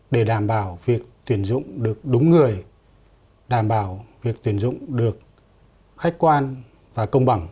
để đảm bảo việc tuyển dụng được đúng người đảm bảo việc tuyển dụng được khách quan và công bằng